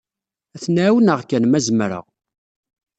Ad ten-ɛawneɣ kan, ma zemreɣ.